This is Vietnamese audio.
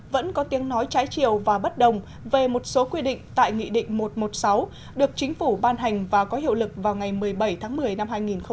vẫn có tiếng nói trái chiều và bất đồng về một số quy định tại nghị định một trăm một mươi sáu được chính phủ ban hành và có hiệu lực vào ngày một mươi bảy tháng một mươi năm hai nghìn một mươi chín